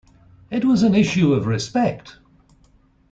It was an issue of respect.